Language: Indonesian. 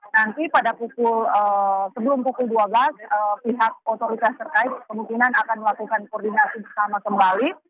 nanti pada pukul sebelum pukul dua belas pihak otoritas terkait kemungkinan akan melakukan koordinasi bersama kembali